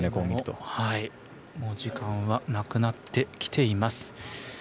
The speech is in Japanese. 時間はなくなってきています。